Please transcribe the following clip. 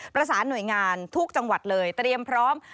ประสานหน่วยงานทุกจังหวัดเลยเตรียมพร้อม